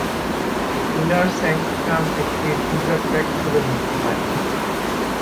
Inner sanctum একটি teaser track হিসাবে মুক্তি পায়।